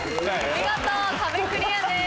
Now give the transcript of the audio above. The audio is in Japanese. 見事壁クリアです。